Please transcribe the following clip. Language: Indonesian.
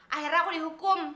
akhirnya aku dihukum